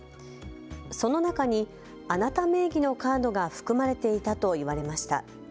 その中にあなた名義のカードが含まれていたと言われました。